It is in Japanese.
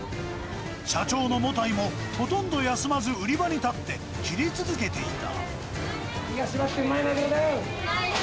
社長の茂田井もほとんど休まず売り場に立って、切り続けていた。